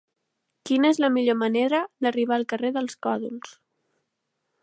Quina és la millor manera d'arribar al carrer dels Còdols?